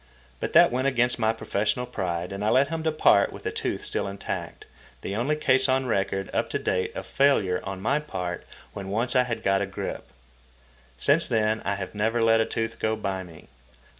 But that went against my professional pride and I let him depart with the tooth still intact, the only case on record up to date of failure on my part when once I had got a grip. Since then I have never let a tooth go by me.